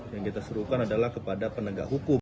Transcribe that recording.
yang kita suruhkan adalah kepada penegak hukum